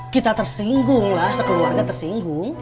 kita tersinggung lah sekeluarga tersinggung